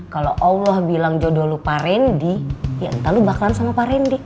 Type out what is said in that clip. kalo allah bilang jodoh lo pak randy ya entah lo bakalan sama pak randy